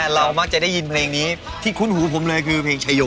เรามักจะได้ยินเพลงนี้ที่คุ้นหูผมเลยคือเพลงชโย